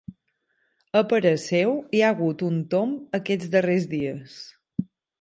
A parer seu, hi ha hagut un tomb aquests darrers dies.